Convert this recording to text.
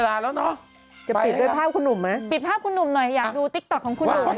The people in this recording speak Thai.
อันนี้สปอยเหรอแม่ง